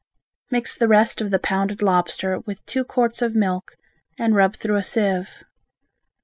Mix the rest of the pounded lobster with two quarts of milk and rub through a sieve.